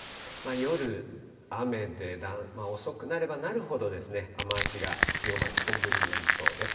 夜、雨で、遅くなればなるほど雨足が強まる、本降りになりそうです。